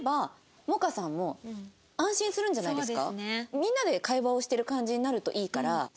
みんなで会話をしてる感じになるといいからスピーカーにする。